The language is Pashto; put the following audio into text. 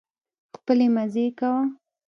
خپلې مزې کوه